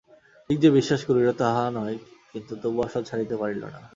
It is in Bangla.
ঠিক যে বিশ্বাস করিল তাহা নয় কিন্তু তবু আশা ছাড়িতে পারিল না।